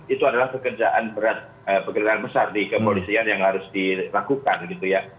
itu adalah keberadaan besar di kepolisian yang harus dilakukan gitu ya